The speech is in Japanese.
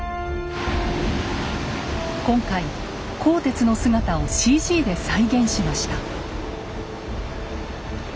今回「甲鉄」の姿をＣＧで再現しました。